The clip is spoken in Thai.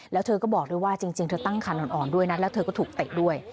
แล้วเธอก็บอกด้วยว่าจริงเธอตั้งคันอ่อนด้วยนะแล้วเธอก็ถูกเตะด้วย